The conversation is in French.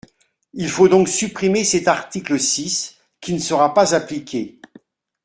Il faut donc supprimer cet article six qui ne sera pas appliqué.